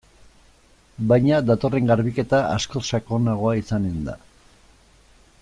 Baina datorren garbiketa askoz sakonagoa izanen da.